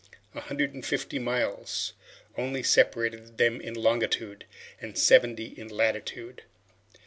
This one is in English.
A hundred and fifty miles only separated them in longitude, and seventy in latitude.